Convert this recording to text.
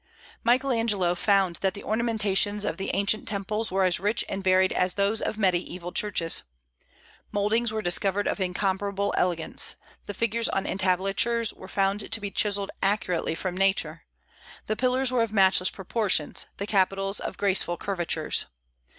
Michael Angelo found that the ornamentations of the ancient temples were as rich and varied as those of Mediaeval churches. Mouldings were discovered of incomparable elegance; the figures on entablatures were found to be chiselled accurately from nature; the pillars were of matchless proportions, the capitals of graceful curvatures.